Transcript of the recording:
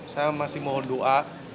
saya masih mohon doa